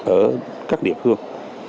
ở các địa phương